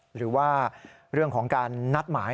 หรือว่าเรื่องของการนัดหมาย